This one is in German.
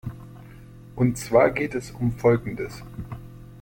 Und zwar geht es um Folgendes.